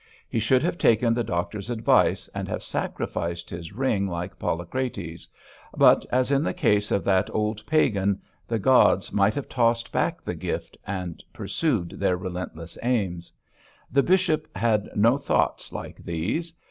He should have taken the doctor's advice and have sacrificed his ring like Polycrates, but, as in the case of that old pagan, the gods might have tossed back the gift and pursued their relentless aims. The bishop had no thoughts like these.